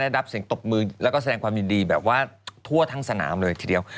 รับเสียงตบมือแล้วก็แสดงความยินดีแบบว่าทั่วทั้งสนามเลยทีเดียว